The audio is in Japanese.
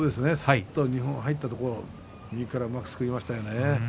二本入ったところ右からうまくすくいましたよね。